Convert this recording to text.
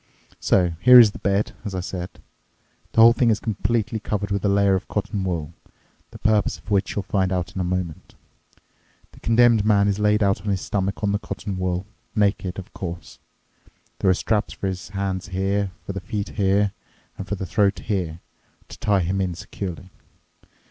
So, here is the bed, as I said. The whole thing is completely covered with a layer of cotton wool, the purpose of which you'll find out in a moment. The condemned man is laid out on his stomach on the cotton wool—naked, of course. There are straps for the hands here, for the feet here, and for the throat here, to tie him in securely.